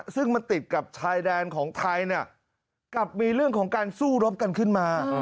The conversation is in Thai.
ซึ่งมันติดกับชายแดนของไทยกลับมีเรื่องของการสู้รบกันขึ้นมา